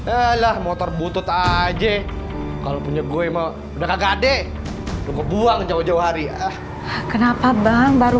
elah motor butut aja kalau punya gue mau udah kagak deh buang jauh jauh hari ah kenapa bang baru